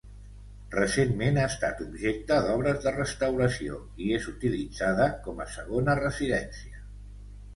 Recentment ha estat objecte d'obres de restauració i és utilitzada com a segona residència.